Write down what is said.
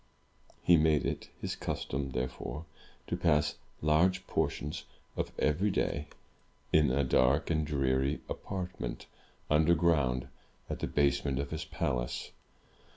He made it his custom, therefore, to pass large portions of every day in a dark 274 THROUGH FAIRY HALLS and dreary apartment, under ground, at the basement of his palace.